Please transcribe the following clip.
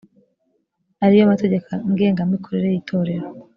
ariyo mategeko ngenga mikorere y itorero